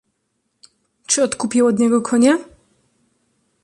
"Czy odkupię od niego konia?"